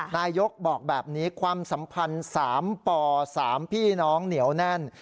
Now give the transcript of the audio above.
นายกบอกแบบนี้ความสัมพันธ์๓ป๓พี่น้องเหนียวแน่น